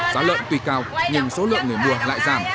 giá lợn tùy cao nhưng số lợn người mua lại giảm